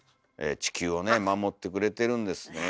地球をね守ってくれてるんですねえ。